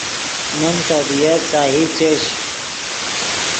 من طبیعت سہی چش